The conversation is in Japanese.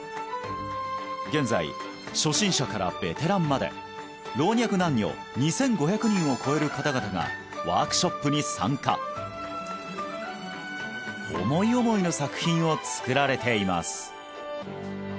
現在初心者からベテランまで老若男女２５００人を超える方々がワークショップに参加思い思いの作品を作られています